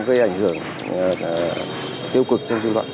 gây ảnh hưởng tiêu cực trong dự luận